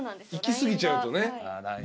いき過ぎちゃうとね。